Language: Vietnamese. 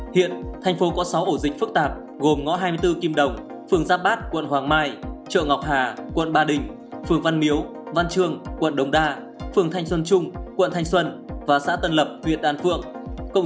hiện thành phố có sáu ổ dịch phức tạp gồm ngõ hai mươi bốn kim đồng phường giáp bát quận hoàng mai chợ ngọc hà quận ba đình phường văn miếu văn trương quận đồng đa phường thanh xuân trung quận thanh xuân và xã tân lập huyện đan phượng